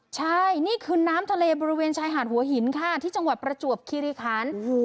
ใช่นี่คือน้ำทะเลบริเวณชายหาดหัวหินค่ะที่จังหวัดประจวบคิริคัน